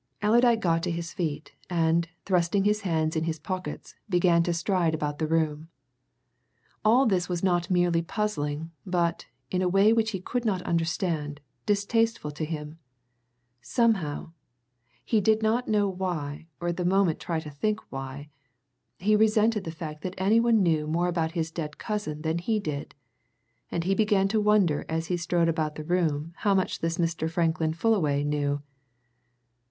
Allerdyke got to his feet, and, thrusting his hands in his pockets, began to stride about the room. All this was not merely puzzling, but, in a way which he could not understand, distasteful to him. Somehow he did not know why, nor at that moment try to think why he resented the fact that any one knew more about his dead cousin than he did. And he began to wonder as he strode about the room how much this Mr. Franklin Fullaway knew.